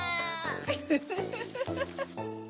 ウフフフ。